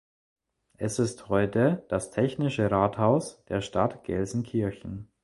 Es ist heute das technische Rathaus der Stadt Gelsenkirchen.